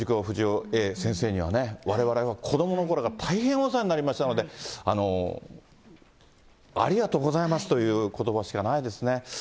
不二雄Ａ先生にはね、われわれの子どものころから大変お世話になりましたので、ありがとうございますということばしかないですね。